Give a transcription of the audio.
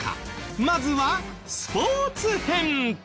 まずはスポーツ編。